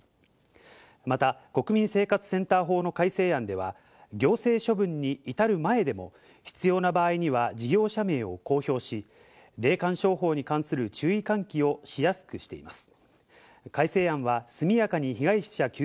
また国民生活センター法の改正案では行政処分に至る前でも必要な場合には事業者名を公表し、霊感商法に関する注意喚起をしやすくしています。